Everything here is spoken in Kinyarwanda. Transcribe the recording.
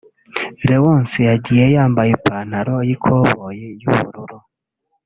Léonce yagiye yambaye ipataro y’ikoboyi y’ubururu